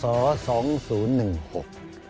ตั้งแต่ปีคศ๒๐๑๖